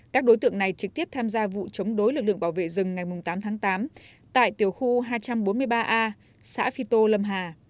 các đối tượng này trực tiếp tham gia vụ chống đối lực lượng bảo vệ rừng ngày tám tháng tám tại tiểu khu hai trăm bốn mươi ba a xã phi tô lâm hà